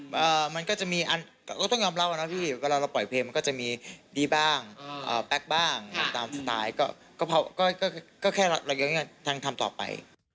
ว่าจะปังหรือว่าจะแปลกค่ะ